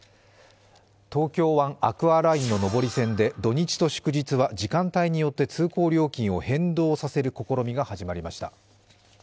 東京湾アクアラインの上り線で土日と祝日は時間帯によって通行料金を変動させる試みが始まりました。